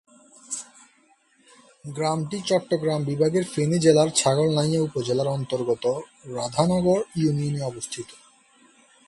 গ্রামটি চট্টগ্রাম বিভাগের ফেনী জেলার ছাগলনাইয়া উপজেলার অন্তর্গত রাধানগর ইউনিয়নে অবস্থিত।